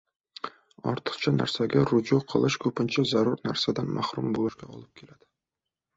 Ortiqcha narsaga ruju qilish ko‘pincha zarur narsadan mahrum bo‘lishga olib keladi.